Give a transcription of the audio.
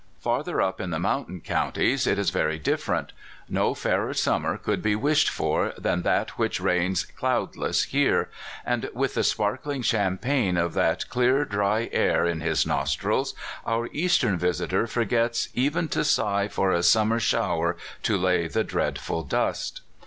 Farther up in the mountain coun ties, it is very different. No fairer summer <eould be wished for than that which reigns cloudless here; and with the sparkling champagne of that 208 CALIFORNIA SKETCHES. clear, dry air in his nostrils, our Eastern visitor forgets even to sigh for a summer shower to lay the dreadful dust.